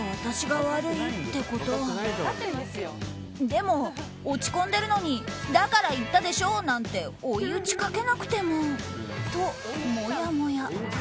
でも、落ち込んでるのにだから言ったでしょなんて追い打ちかけなくてもともやもや。